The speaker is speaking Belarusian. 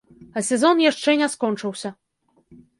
А сезон яшчэ не скончыўся.